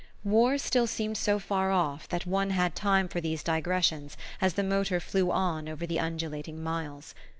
War still seemed so far off that one had time for these digressions as the motor flew on over the undulating miles.